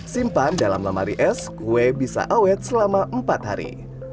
simpan dalam lemari es kue bisa awet selama empat hari